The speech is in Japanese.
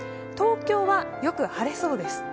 東京はよく晴れそうです。